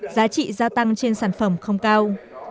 giá trị gia tăng trên sản phẩm không cao